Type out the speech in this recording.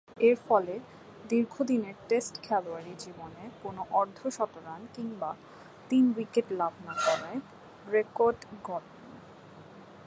এরফলে, দীর্ঘদিনের টেস্ট খেলোয়াড়ী জীবনে কোন অর্ধ-শতরান কিংবা তিন উইকেট লাভ না করার রেকর্ড গড়েন।